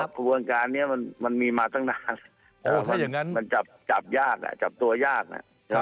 เพราะวงการเนี่ยมันมีมาตั้งนานมันจับตัวยากนะ